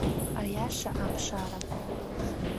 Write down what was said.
Аиаша аԥшаара…